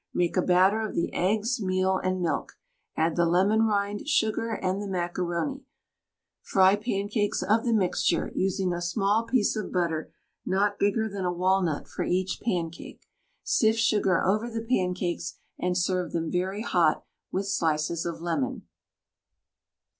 Make a batter of the eggs, meal, and milk, add the lemon rind, sugar, and the macaroni; fry pancakes of the mixture, using a small piece of butter not bigger than a walnut for each pancake. Sift sugar over the pancakes and serve them very hot with slices of lemon.